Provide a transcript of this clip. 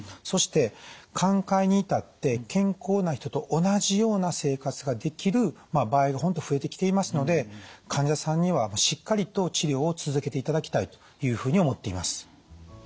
そして寛解に至って健康な人と同じような生活ができる場合が本当増えてきていますので患者さんにはしっかりと治療を続けていただきたいというふうに思っています。